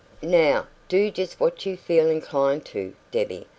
Now, do just what you feel inclined to, Debbie.